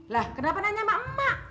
lah kenapa nanya sama mak